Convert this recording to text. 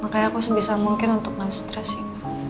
makanya aku sebisa mungkin untuk gak stres ya ma